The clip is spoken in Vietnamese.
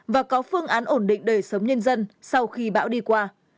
và có phương án ổn định đời sống nhân dân sau khi bão đi qua